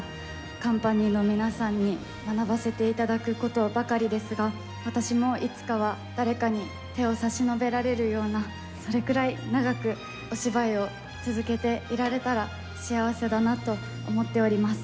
カンパニーの皆さんに学ばせていただくことばかりですが、私もいつかは誰かに手を差し伸べられるような、それくらい長くお芝居を続けていられたら幸せだなと思っております